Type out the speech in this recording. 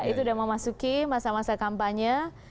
itu udah mau masuki masa masa kampanye